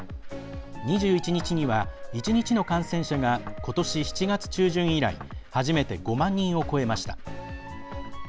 ２１日には、１日の感染者がことし７月中旬以来初めて５万人を超えました。